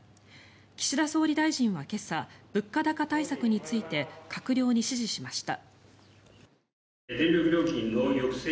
岸田総理大臣は今朝物価高対策について閣僚に指示しました。